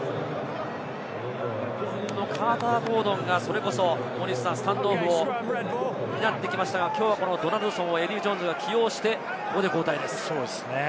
カーター・ゴードンがスタンドオフを担ってきましたが、ドナルドソンはエディー・ジョーンズが起用して、ここで交代です。